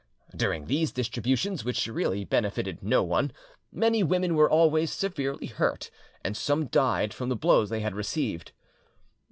During these distributions, which really benefitted no one, many women were always severely hurt, and some died from the blows they had received.